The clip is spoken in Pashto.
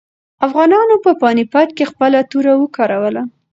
افغانانو په پاني پت کې خپله توره وکاروله.